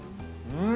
うん！